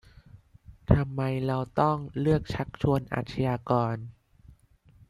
ทำไมเราต้องเลือกชักชวนอาชญากร